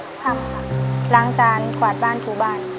ครับครับล้างจานขวาดบ้านถูบ้าน